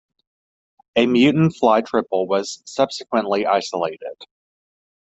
A mutant fly, "trpl", was subsequently isolated.